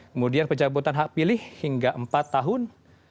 kemudian pencabutan hak pilih hingga empat tahun